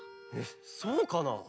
そうかな？